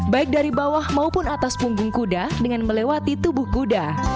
baik dari bawah maupun atas punggung kuda dengan melewati tubuh kuda